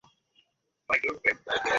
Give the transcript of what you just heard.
বললে, যদি পারেন তবে আমাদের কাছে আসেন কেন?